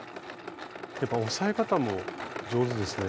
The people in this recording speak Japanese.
やっぱ押さえ方も上手ですね。